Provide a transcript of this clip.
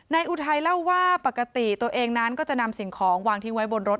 อุทัยเล่าว่าปกติตัวเองนั้นก็จะนำสิ่งของวางทิ้งไว้บนรถ